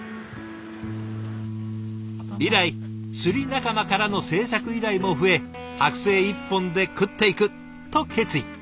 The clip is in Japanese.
以来釣り仲間からの制作依頼も増え剥製一本で食っていくと決意。